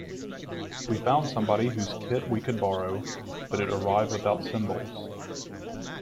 We found somebody whose kit we could borrow, but it arrived without cymbals.